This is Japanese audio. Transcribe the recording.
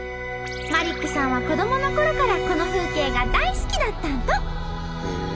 マリックさんは子どものころからこの風景が大好きだったんと。